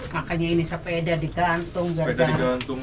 makanya ini sepeda digantung